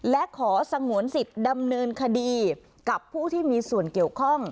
และขอสงวนสิทธิ์ดำเนินคดีกับผู้ที่มีส่วนเกี่ยวข้อง